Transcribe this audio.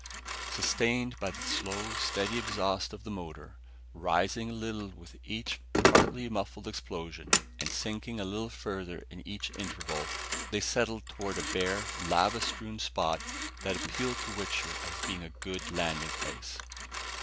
Sustained by the slow, steady exhaust of the motor, rising a little with each partly muffled explosion and sinking a little further in each interval, they settled toward a bare, lava strewn spot that appealed to Wichter as being a good landing place.